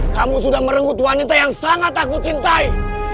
kamu sudah merenggut wanita yang sangat aku cintai